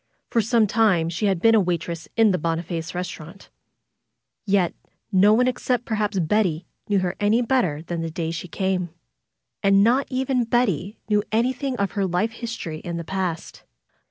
For some time she had been a waitress in the Boniface restaurant; yet 220 FAITH no one except, perhaps, Betty, knew her any better than the day she came. And not even Betty knew any thing of her life history in the past.